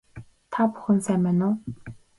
Та бүхэн сайн байна уу